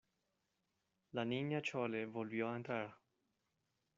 la Niña Chole volvió a entrar.